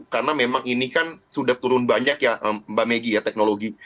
karena memang ini kan sudah turun banyak ya mbak megi ya teknologi